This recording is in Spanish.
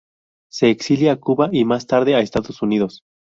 Se exilia a Cuba y más tarde a Estados Unidos.